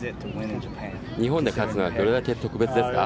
日本で勝つのはどれだけ特別ですか？